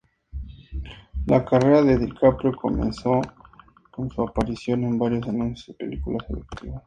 La carrera de DiCaprio comenzó con su aparición en varios anuncios y películas educativas.